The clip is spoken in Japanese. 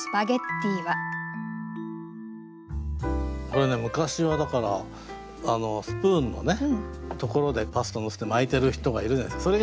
これね昔はだからスプーンのところでパスタのせて巻いてる人がいるじゃないですか。